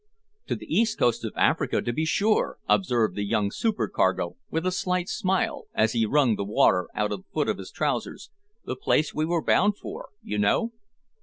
"To the east coast of Africa, to be sure," observed the young supercargo, with a slight smile, as he wrung the water out of the foot of his trousers, "the place we were bound for, you know."